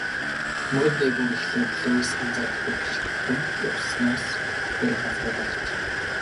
Мөрөн дээгүүр эхлээд Луис анзааралгүй гишгэлэн явснаас зарим газраар баларчээ.